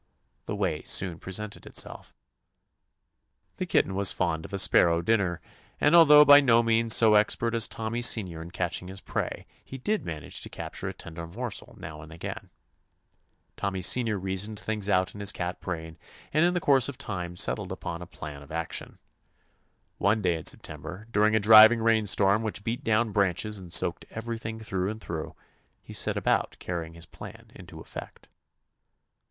The way soon pre sented itself. The kitten was fond of a sparrow dinner, and although by no means so expert as Tommy Senior in catching his prey, he did manage to capture a tender morsel now and again. Tom my Senior reasoned things out in his 190 TOMMY POSTOFFICE cat brain, and in the course of time settled upon a plan of action. One day in September, during a driving rain storm which beat down branches and soaked everything through and through, he set about carrying his plan into effect.